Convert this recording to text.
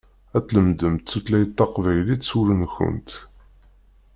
Ad tlemdemt tutlayt taqbaylit s wul-nkent.